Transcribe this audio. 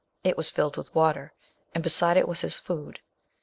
It was filled with Shroud. 367 water, and beside it was his food.